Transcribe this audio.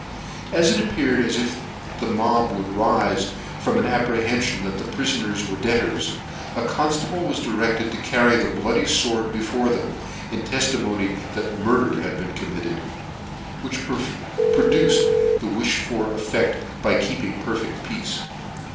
As it appeared as if the mob would rife, from an apprehenfion that the prifoners were debtors, a conftable was directed to carry the bloody fword before them, in teftimcny that murder had been committed ; which produced the wifhed for effect by keeping perfect peace.